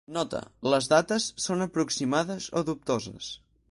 "Nota: les dates són aproximades o dubtoses"